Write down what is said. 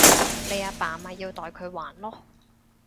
你阿爸咪要代佢還囉